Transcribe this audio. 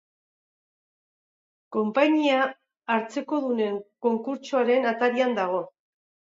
Konpainia hartzekodunen konkurtsoaren atarian dago.